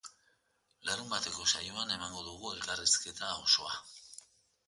Larunbateko saioan emango dugu elkarrizketa osoa.